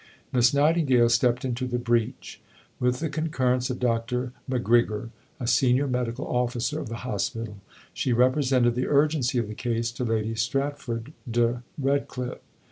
Miss Nightingale stepped into the breach. With the concurrence of Dr. McGrigor, a senior medical officer of the hospital, she represented the urgency of the case to Lady Stratford de Redcliffe.